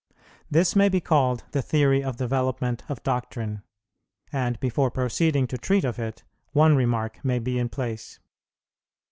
This may be called the Theory of Development of Doctrine; and, before proceeding to treat of it, one remark may be in place.